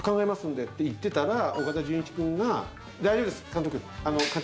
って言ってたら岡田准一君が「大丈夫です監督」。